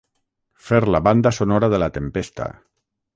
Fer la banda sonora de la tempesta.